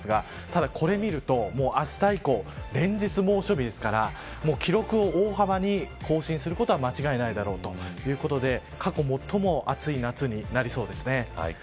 ただ、これを見るとあした以降、連日猛暑日ですから記録を大幅に更新することは間違いないだろうということで過去最も暑い夏になりそうですね。